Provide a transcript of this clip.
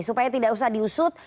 supaya tidak usah diusut